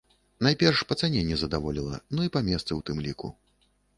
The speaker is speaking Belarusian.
Найперш па даце не задаволіла, ну і па месцы ў тым ліку.